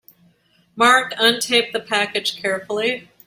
Mark untaped the package carefully.